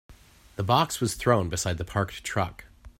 The box was thrown beside the parked truck.